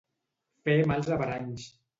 Fer mals averanys.